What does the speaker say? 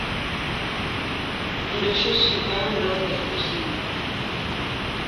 Mais le jour suivant l'homme est fusillé.